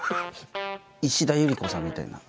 石田ゆり子さんみたいな。